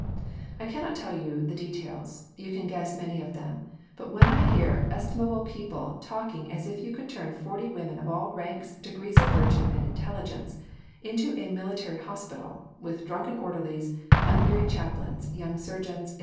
I cannot tell you the details, you can guess many of them; but when I hear estimable people talking as if you could turn 40 women of all ranks, degrees of virtue, and intelligence, into a Military Hospital, with drunken orderlies, unmarried Chaplains, young Surgeons, &c.